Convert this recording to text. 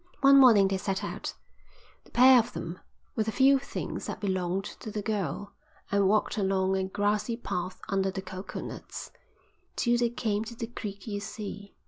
One morning they set out, the pair of them, with the few things that belonged to the girl, and walked along a grassy path under the coconuts, till they came to the creek you see.